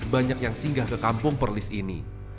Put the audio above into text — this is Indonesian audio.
banyak yang singgah ke kampung perlis ini